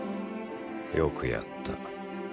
よくやった。